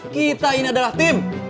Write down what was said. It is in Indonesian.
kita ini adalah tim